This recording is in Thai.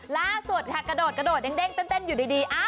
ล่าสุดค่ะกระโดดเต้นอยู่ดี